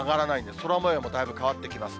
空もようもだいぶ変わってきます。